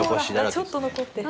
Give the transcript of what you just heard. ちょっと残ってる。